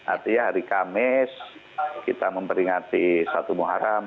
artinya hari kamis kita memperingati satu muharam